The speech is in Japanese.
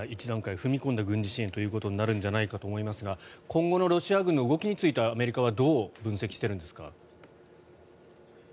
１段階踏み込んだ軍事支援となるんじゃないかと思いますが今後のロシア軍の動きについてはアメリカはどう分析しているんですか？